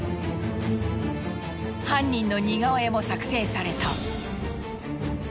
犯人の似顔絵も作成された。